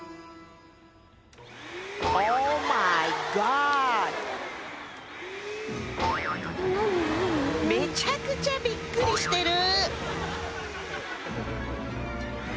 オーマイガーめちゃくちゃびっくりしてる